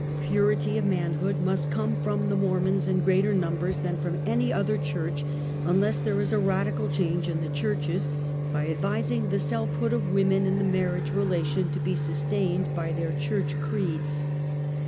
Purity of manhood mnst come from the Mormons in greater numbers than from any other church un less there is a radical change in the churches, by ad vising the selfhood of women in the marriage re lation to be sustained by their church creeds.